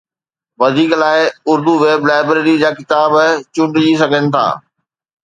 وڌيڪ لاءِ Urdu web library جا ڪتاب چونڊجي سگهجن ٿا